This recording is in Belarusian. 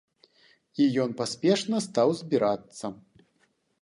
І ён паспешна стаў збірацца.